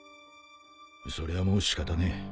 それはもう仕方ねえ。